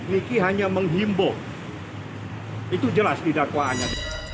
riki hanya menghimbau itu jelas di dakwaannya